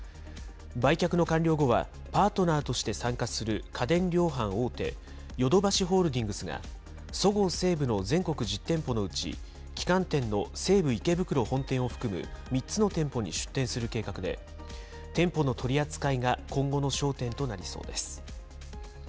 売却の完了後は、パートナーとして参加する家電量販大手、ヨドバシホールディングスが、そごう・西武の全国１０店舗のうち、旗艦店の西武池袋本店を含む３つの店舗に出店する計画で、店舗の取り扱いが今後の焦点となりそうです。